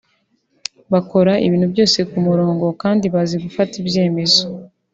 bakora ibintu byose ku murongo kandi bazi gufata ibyemezo